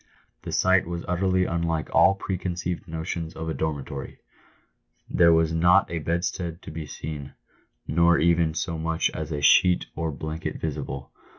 The sight was utterly unlike all preconceived notions of a dormitory. There was not a bedstead to be seen, nor even so much as a sneiTor PAVED WITH GOLD. 15 blanket visible.